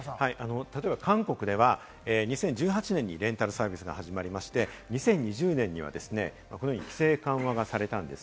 例えば韓国では２０１８年にレンタルサービスが始まりまして、２０２０年には規制緩和がされたんです。